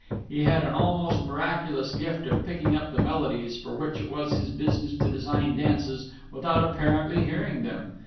He had an almost miraculous gift of picking up the melodies for which it was his business to design dances, without apparently hearing them.